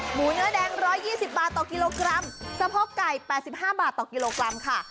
หมูเนื้อแดงร้อยยี่สิบบาทต่อกิโลกรัมสะพอกไก่แปดสิบห้าบาทต่อกิโลกรัมค่ะ